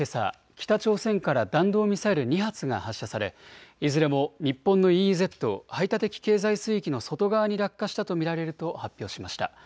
北朝鮮から弾道ミサイル２発が発射されいずれも日本のＥＥＺ・排他的経済水域の外側に落下したと見られると発表しました。